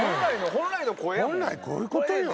本来こういうことよ。